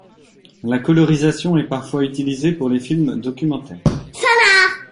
La colorisation est parfois utilisée pour les films documentaires.